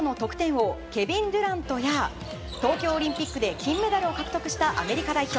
王ケビン・デュラントや東京オリンピックで金メダルを獲得したアメリカ代表